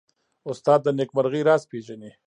استاد د نېکمرغۍ راز پېژني.